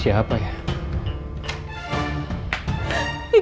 yang yang kata bandung